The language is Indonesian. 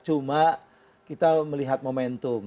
cuma kita melihat momentum